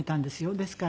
ですから。